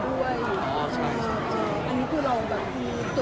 เหมือนเราเปิดไอจีนเพื่อเด็กน้องอะไรด้วย